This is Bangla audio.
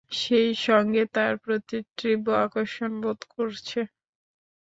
সেই সঙ্গে তার প্রতি তীব্র আকর্ষণ বোধ করেছ।